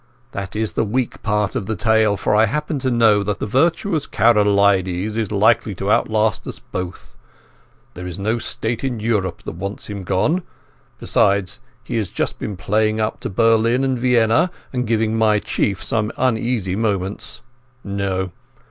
That is the weak part of the tale, for I happen to know that the virtuous Karolides is likely to outlast us both. There is no State in Europe that wants him gone. Besides, he has just been playing up to Berlin and Vienna and giving my Chief some uneasy moments. No!